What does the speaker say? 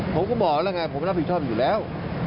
ผมก็บอกแล้วไงผมรับผิดชอบอยู่แล้ว